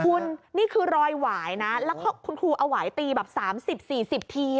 คุณนี่คือรอยหวายนะแล้วคุณครูเอาหวายตีแบบ๓๐๔๐ที